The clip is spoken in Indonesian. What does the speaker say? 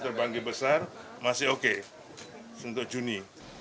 terbanggi besar masih oke untuk juni